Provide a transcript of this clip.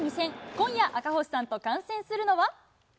今夜赤星さんと観戦するのは。